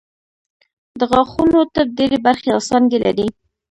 د غاښونو طب ډېرې برخې او څانګې لري